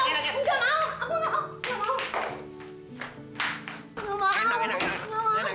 engga mau enak enak enak